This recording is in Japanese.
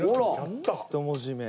１文字目。